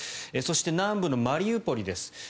そして、南部のマリウポリです。